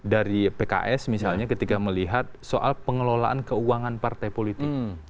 dari pks misalnya ketika melihat soal pengelolaan keuangan partai politik